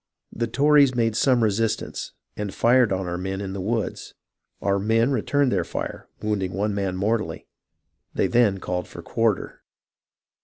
The Tories made some resistance, and fired on our men in the woods ; our men then returned the fire, wounding one man mortally ; they then called for quarter.